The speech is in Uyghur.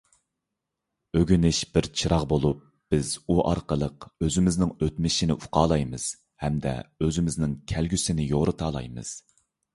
ئۆگىنىش بىر چىراغ بولۇپ، بىز ئۇ ئارقىلىق ئۆزىمىزنىڭ ئۆتمۈشىنى ئوقۇيالايمىز، ھەمدە ئۆزىمىزنىڭ كەلگۈسىنى يورۇتالايمىز.